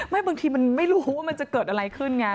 บางทีมันไม่รู้ว่ามันจะเกิดอะไรขึ้นไง